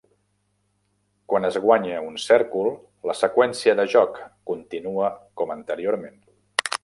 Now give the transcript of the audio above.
Quan es guanya un cèrcol, la seqüència de joc continua com anteriorment.